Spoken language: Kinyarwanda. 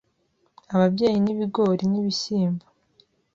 ababyeyi n'ibigori n'ibishyimbo,